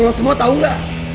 lo lo semua tau gak